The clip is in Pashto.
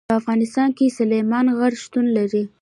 په افغانستان کې سلیمان غر شتون لري.